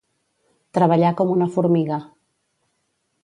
Treballar com una formiga.